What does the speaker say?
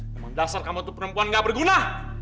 memandasar kamu itu perempuan tidak berguna